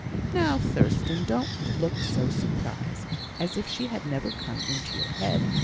Now, Thurstan, don't look so surprised, as if she had never come into your head!